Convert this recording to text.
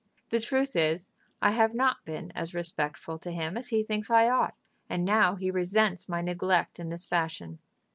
The truth is, I have not been as respectful to him as he thinks I ought, and now he resents my neglect in this fashion.